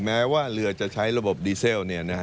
แม้ว่าเรือจะใช้ระบบดีเซล